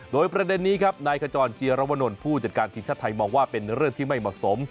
โดยประเด็นนี้ครับนายขจรเจียรวนลผู้จัดการทีมชาติไทยมองว่าเป็นเรื่องที่ไม่เหมาะสม